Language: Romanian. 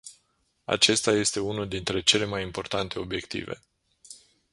Acesta este unul dintre cele mai importante obiective.